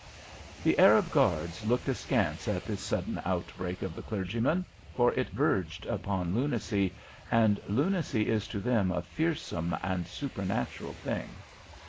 The Arab guards looked askance at this sudden outbreak of the clergyman, for it verged upon lunacy, and lunacy is to them a fearsome and supernatural thing.